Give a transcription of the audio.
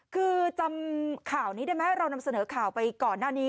คือจำข่าวนี้ได้ไหมเรานำเสนอข่าวไปก่อนหน้านี้